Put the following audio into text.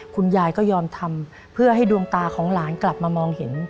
คุณยายก็ยอมทำเพื่อให้ดวงตาของหลานกลับมามองเห็น